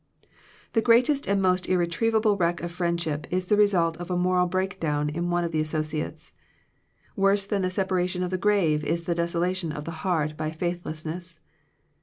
The greatest and most irretrievable wreck of friendship is the result of a moral breakdown in one of the associates. Worse than the separation of the grave is the desolation of the heart by faithless ness.